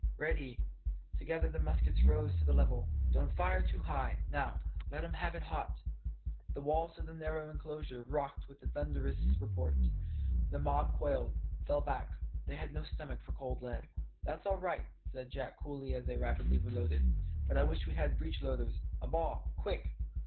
"Ready!" Together the muskets rose to the level. "Don't fire too high. Now, let 'em have it hot!" The walls of the narrow enclosure rocked with the thunderous report. The mob quailed, fell back: "they had no stomach for cold lead. "That's all right," said Jack coolly as they rapidly reloaded; "but I wish we had breechloaders! A ball, quick!"